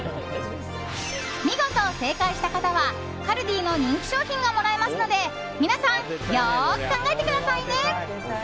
見事、正解した方はカルディの人気商品がもらえますので皆さん、よーく考えてくださいね。